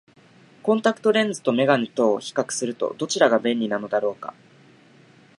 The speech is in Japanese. コンタクトレンズと眼鏡とを比較すると、どちらが便利なのだろうか。